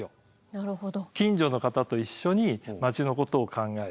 なるほど。